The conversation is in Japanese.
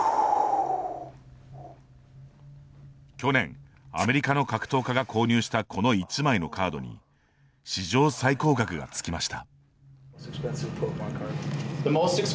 去年、アメリカの格闘家が購入したこの１枚のカードに史上最高額がつきました。